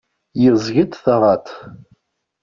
Yeẓẓeg-d taɣaḍt.